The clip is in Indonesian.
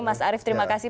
mas arief terima kasih